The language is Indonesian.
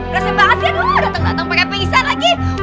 rasanya banget sih datang datang peremping isan lagi